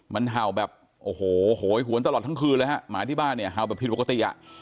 มันเห่าแบบโอ้โหโหยหวนตลอดทั้งคืนเลยฮะหมาที่บ้านเนี่ยเห่าแบบผิดปกติอ่ะ